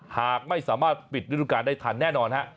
หากไม่สามารถปิดฤดูการได้ทันแน่นอนฮะ